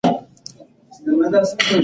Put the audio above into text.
په دې کې بدلون کول به د متن پر روح تېری وي